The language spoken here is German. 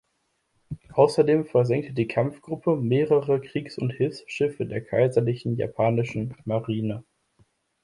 Außerdem versenkte die Kampfgruppe mehrere Kriegs- und Hilfsschiffe der Kaiserlich Japanischen Marine.